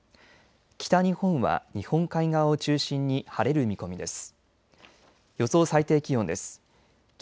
北日本は日本海側を中心に晴れる見込みです。